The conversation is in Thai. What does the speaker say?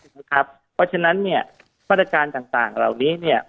เพราะฉะนั้นพันธการต่างเหล่านี้